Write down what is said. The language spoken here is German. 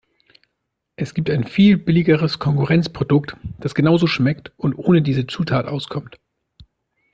Es gibt ein viel billigeres Konkurrenzprodukt, das genauso schmeckt und ohne diese Zutat auskommt.